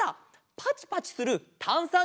パチパチするたんさん